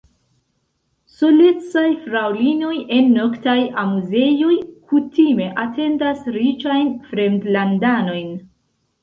Solecaj fraŭlinoj en noktaj amuzejoj kutime atendas riĉajn fremdlandanojn.